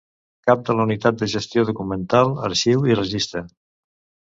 Cap de la Unitat de Gestió Documental, Arxiu i Registre.